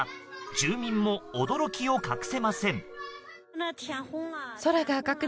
住民も驚きを隠せません。